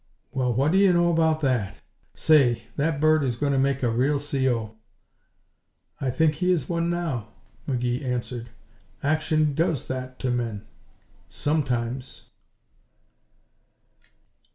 "Well what do you know about that! Say, that bird is going to make a real C.O." "I think he is one now," McGee answered. "Action does that to men sometimes."